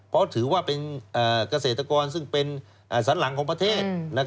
เพราะถือว่าเป็นเกษตรกรซึ่งเป็นสันหลังของประเทศ